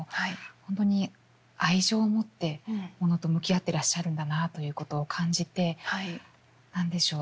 本当に愛情を持ってモノと向き合ってらっしゃるんだなということを感じて何でしょう